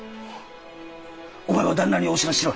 お前は旦那にお知らせしろ。